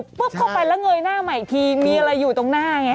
เข้าไปแล้วเงยหน้าใหม่อีกทีมีอะไรอยู่ตรงหน้าไง